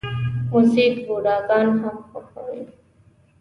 موزیک بوډاګان هم خوښوي.